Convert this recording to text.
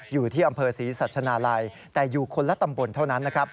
อยู่ที่อำเภอศรีสัชนาลัยแต่อยู่คนละตำบลเท่านั้นนะครับ